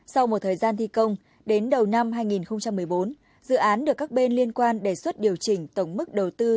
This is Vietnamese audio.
sau một thời gian thi công đến đầu năm hai nghìn một mươi bốn dự án được các bên liên quan đề xuất điều chỉnh tổng mức đầu tư